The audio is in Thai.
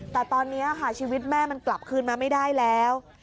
แต่ตอนนี้ค่ะชีวิตแม่มันกลับคืนมาไม่ได้แล้ว